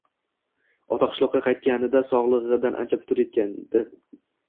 Ota qishloqqa qaytganida sog`lig`idan ancha putur ketgan edi